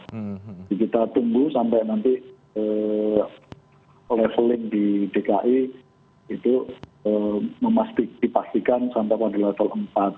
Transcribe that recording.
jadi kita tunggu sampai nanti leveling di dki itu memastikan sampai level empat